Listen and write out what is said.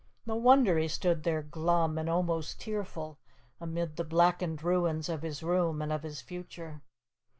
No wonder he stood there glum and almost tearful amid the blackened ruins of his room and of his future.